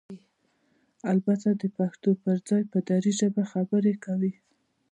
البته دپښتو پرځای په ډري ژبه خبرې کوي؟!